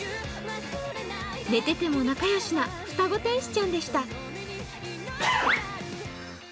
寝てても仲良しな双子天使ちゃんでした。